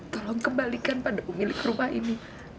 tolong kembalikan pada pemilik rumah ini